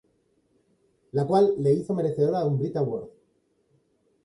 La cual la hizo merecedora de un brit Award.